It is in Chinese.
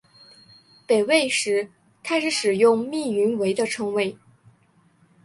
北魏时开始使用密云为的称谓。